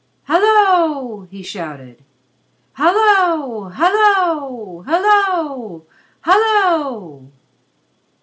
"Hallo!" he shouted. "Hallo! Hallo! Hallo! Hallo!"